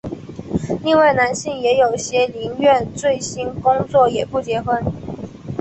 另外男性也有些宁愿醉心工作也不结婚。